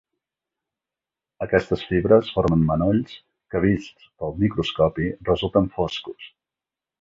Aquestes fibres formen manolls que vists pel microscopi resulten foscos.